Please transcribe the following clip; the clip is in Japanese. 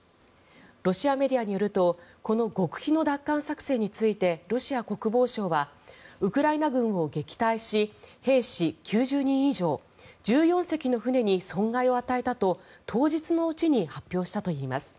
ロシアメディアによるとこの極秘の奪還作戦についてロシア国防省はウクライナ軍を撃退し兵士９０人以上１４隻の船に損害を与えたと当日のうちに発表したといいます。